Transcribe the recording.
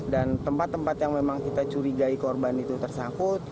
tempat tempat yang memang kita curigai korban itu tersangkut